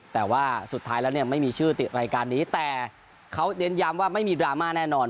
แต่ว่าสุดท้ายแล้วเนี่ยไม่มีชื่อติดรายการนี้แต่เขาเน้นย้ำว่าไม่มีดราม่าแน่นอน